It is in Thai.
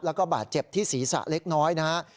แล้วก็บาดเจ็บที่ศีรษะเล็กน้อยนะครับ